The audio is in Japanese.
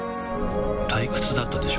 退屈だったでしょう？